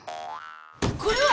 これは！